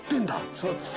そうです。